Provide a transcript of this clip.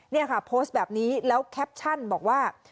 นี่ค่ะโพสต์แบบนี้แล้วแคปชั่นบอกว่า